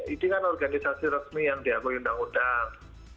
ini kan organisasi resmi yang diakui undang undang